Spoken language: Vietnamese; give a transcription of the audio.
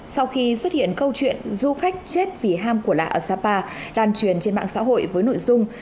sau khi xuất hiện câu chuyện du khách chết vì ham của lạ ở sapa lan truyền trên mạng xã hội với nội dung